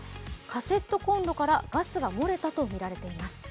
カセットこんろからガスが漏れたとみられています。